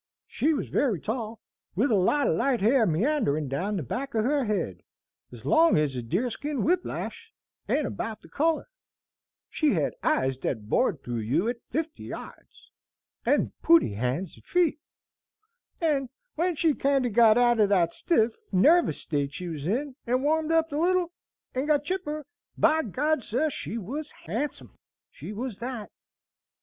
"She was very tall, with a lot o' light hair meandering down the back of her head, as long as a deer skin whip lash, and about the color. She hed eyes thet'd bore you through at fifty yards, and pooty hands and feet. And when she kinder got out o' that stiff, narvous state she was in, and warmed up a little, and got chipper, by G d, sir, she was handsome, she was that!"